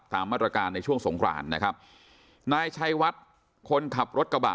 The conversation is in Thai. ตามมาตรการในช่วงสงครานนะครับนายชัยวัดคนขับรถกระบะ